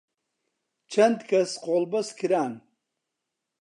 چەند کەس قۆڵبەست کران